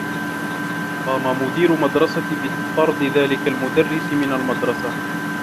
قام مدير مدرستي بطرد ذلك المدرّس من المدرسة.